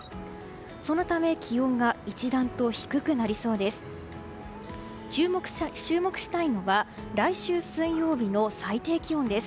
そのため、気温が一段と低くなりそうです。